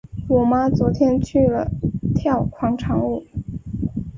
我妈昨天去了跳广场舞。